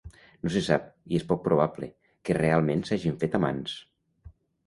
No se sap, i és poc probable, que realment s'hagin fet amants.